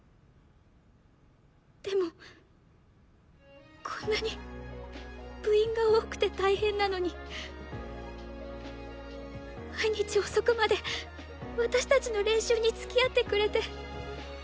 でもこんなに部員が多くて大変なのに毎日遅くまで私たちの練習につきあってくれて。